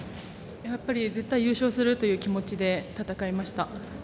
やっぱり絶対優勝するという気持ちで戦いました。